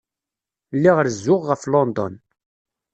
Lliɣ rezzuɣ ɣef London.